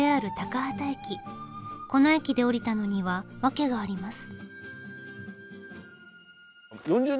この駅で降りたのには訳があります。